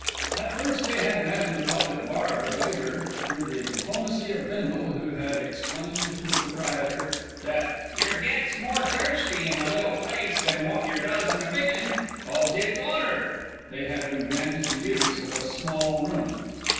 At first they had met in the public bar, but later, through the diplomacy of Bindle, who had explained to the proprietor that "yer gets more thirsty in a little place than wot yer does in a big 'un, 'cause it's 'otter," they had been granted the use of a small room.